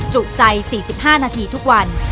จุใจ๔๕นาทีทุกวัน